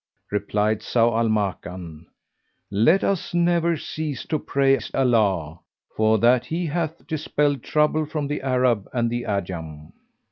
Replied Zau al Makan, "Let us never cease to praise Allah, for that He hath dispelled trouble from the Arab and the Ajam.